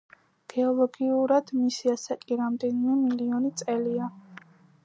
გეოლოგიურად, მისი ასაკი რამდენიმე მილიონი წელია.